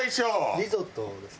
リゾットですね。